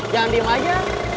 jangan diem aja